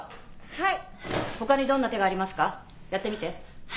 はい。